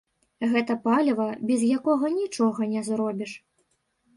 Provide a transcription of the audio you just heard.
Гэта паліва, без якога нічога не зробіш.